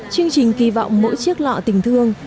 chương trình kỳ vọng mỗi chiếc lọ tình thương